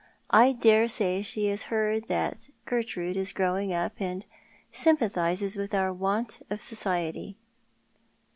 I daresay she has heard that Gertrude is growing up, and sympathises with our want of society."